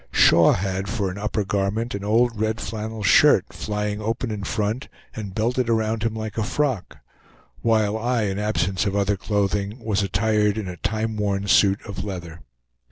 Shaw had for an upper garment an old red flannel shirt, flying open in front and belted around him like a frock; while I, in absence of other clothing, was attired in a time worn suit of leather.